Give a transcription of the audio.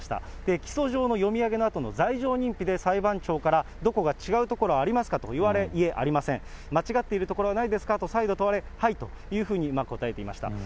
起訴状の読み上げのあとの罪状認否で裁判長から、どこか違うところありますかと言われ、いえ、ありません、間違っているところはないですかと再度問われ、はいというふうに答えていました。